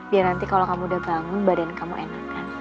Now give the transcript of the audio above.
biar nanti kalau kamu udah bangun badan kamu enakan